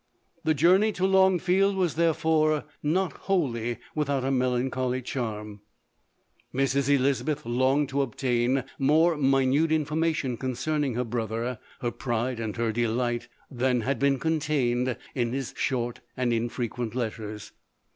The journey to Longfield was therefore not 280 LODORE. wholly without a melancholy charm. Mrs. Elizabeth longed to obtain more minute infor mation concerning her brother, her pride and her delight, than had been contained in his short and infrequent letters.